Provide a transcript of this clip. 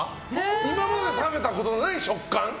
今まで食べたことない食感。